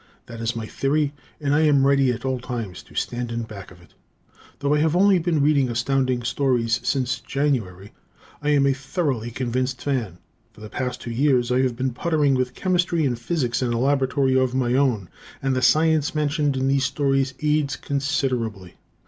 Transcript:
That is my theory and I am ready at all times to stand in back of it. Though I have only been reading Astounding Stories since January, I am a thoroughly convinced fan. For the past two years I have been puttering with chemistry and physics in a laboratory of my own, and the science mentioned in these stories aids considerably.